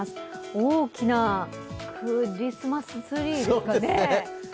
大きなクリスマスツリーですかね。